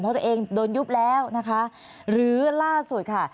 เพราะตัวเองโดนยุบแล้วนะคะหรือล่าสุดค่ะ